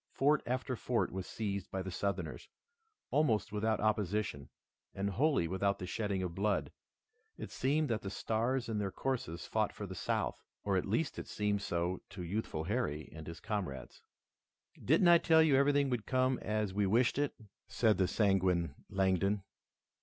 Fort after fort was seized by the Southerners, almost without opposition and wholly without the shedding of blood. It seemed that the stars in their courses fought for the South, or at least it seemed so to the youthful Harry and his comrades. "Didn't I tell you everything would come as we wished it?" said the sanguine Langdon.